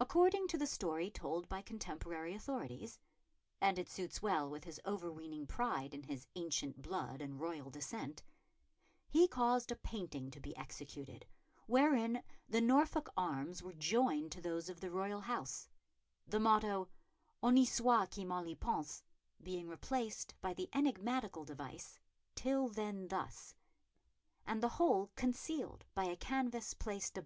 According to the story told by contemporary authorities and it suits well with his overweening pride in his ancient blood and royal descent he caused a painting to be executed wherein the Norfolk arms were joined to those of the royal house, the motto Honi soit qui mal y pense being replaced by the enigmatical device Till then thus, and the whole concealed by a canvas placed above it.